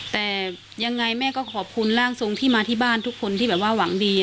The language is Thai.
แต่ยังไงแม่ก็ขอบคุณร่างทรงที่มาที่บ้านทุกคนที่แบบว่าหวังดี